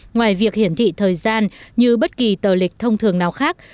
ngoài việc hiển thị thời gian như bất kỳ tờ lịch thông thường nào khác